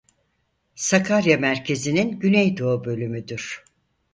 Sakarya merkezinin güneydoğu bölümüdür.